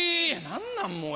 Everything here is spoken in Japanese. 何なんもう。